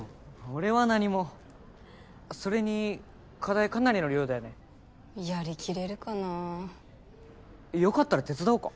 俺は何もそれに課題かなりの量だよねやりきれるかなよかったら手伝おうか？